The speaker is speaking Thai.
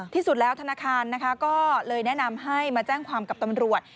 ที่สุดแล้วธนาคารนะคะก็เลยแนะนำให้มาแจ้งความกับตำรวจ